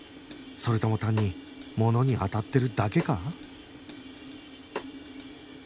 それとも単にものに当たってるだけか？